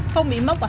không bị mốc à